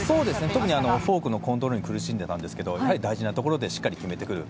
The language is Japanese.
特にフォークのコントロールに苦しんでいたんですけどやはり大事なところでしっかり決めてくる。